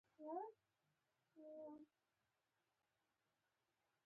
سیکروفیلیک بکټریاوې په کمه تودوخه کې وده کوي.